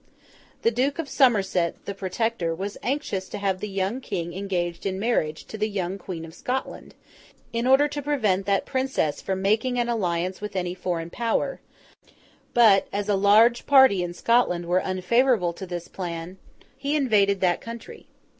The Duke of Somerset, the Protector, was anxious to have the young King engaged in marriage to the young Queen of Scotland, in order to prevent that princess from making an alliance with any foreign power; but, as a large party in Scotland were unfavourable to this plan, he invaded that country.